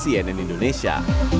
tim liputan cnn indonesia